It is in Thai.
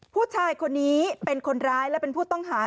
ผู้ชายคนนี้เป็นคนร้ายและเป็นผู้ต้องหา